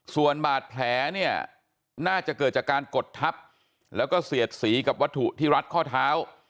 ส่วนบาดแผลเนี่ยน่าจะเกิดจากการกดทับแล้วก็เสียดสีกับวัตถุที่รัดข้อเท้า